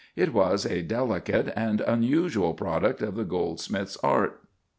It was a delicate and unusual product of the goldsmith's art.